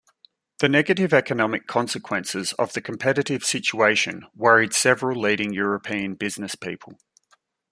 The negative economic consequences of the competitive situation worried several leading European businesspeople.